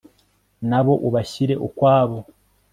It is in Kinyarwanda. na bo ubashyire ukwabo